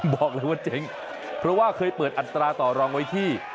บอกเลยว่าเจ๊งเพราะว่าเคยเปิดอัตราต่อรองไว้ที่